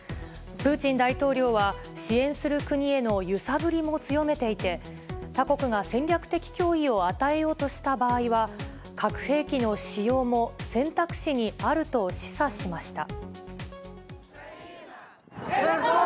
プーチン大統領は支援する国への揺さぶりも強めていて、他国が戦略的脅威を与えようとした場合は、核兵器の使用も選択肢にあると示唆しました。